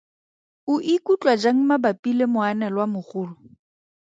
O ikutlwa jang mabapi le moanelwamogolo?